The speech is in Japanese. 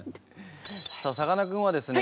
さあさかなクンはですね